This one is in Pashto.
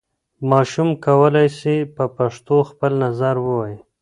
ماشوم کولای سي په پښتو خپل نظر ووايي.